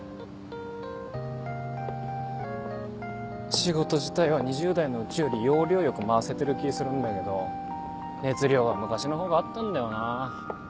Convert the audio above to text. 仕事自体は２０代のうちより要領よく回せてる気するんだけど熱量は昔の方があったんだよなぁ。